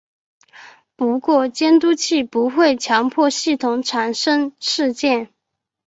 不过监督器不会强迫系统产生事件。